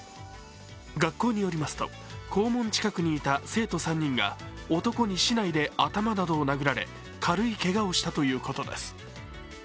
学校によりますと校門近くにいた生徒３人が男に竹刀で頭を殴られ軽いけがをしたということです。